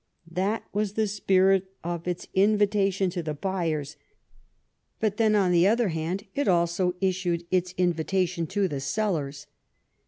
That was the spirit of its invi tation to the buyers; but then, on the other hand, it also issued its invitation to the sellers.